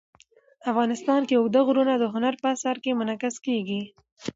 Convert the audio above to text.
افغانستان کې اوږده غرونه د هنر په اثار کې منعکس کېږي.